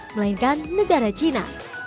melainkan negara cina